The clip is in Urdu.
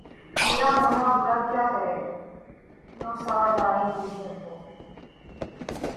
میرا ہونا برا کیا ہے‘ نوا سنجانِ گلشن کو!